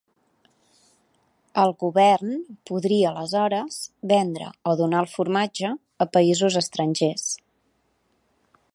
El govern podria aleshores vendre o donar el formatge a països estrangers.